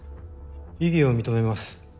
異議を認めます。